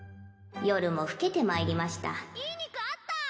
・夜も更けてまいりましたいい肉あった！